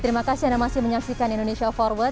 terima kasih anda masih menyaksikan indonesia forward